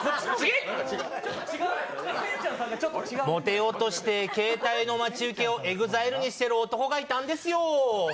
モテようとして携帯の待ち受けをＥＸＩＬＥにしてる男がいたんですよ。